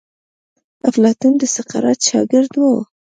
افلاطون د سقراط شاګرد وو.